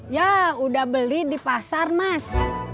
ya udah beli di pasar mas